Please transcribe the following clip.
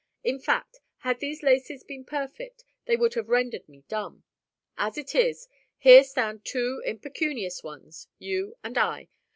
In fact, had these laces been perfect, they would have rendered me dumb. As it is, here stand two impecunious ones—you and I.